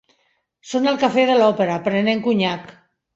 Són al Cafè de l'Òpera, prenent conyac.